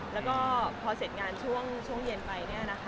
แล้วก็พอเสร็จงานช่วงเย็นไป